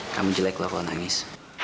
kamu jelek lah kalau nangis